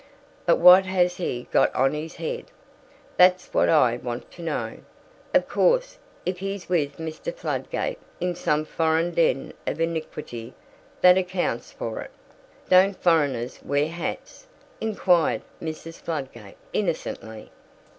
But what has he got on his head? that's what I want to know. Of course, if he's with Mr. Fladgate in some foreign den of iniquity, that accounts for it." "Don't foreigners wear hats?" inquired Mrs. Fladgate, innocently.